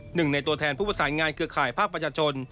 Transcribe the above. หนึ่งในตัวแทนผู้ประสานงานเครือข่ายภาคประชาชน